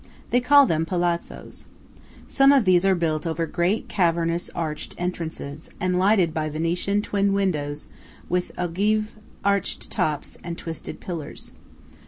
They call them Palazzos. Some of these are built over great cavernous arched entrances, and lighted by Venetian twin windows with ogive arched tops and twisted pillars.